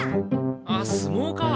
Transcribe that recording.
あっすもうか。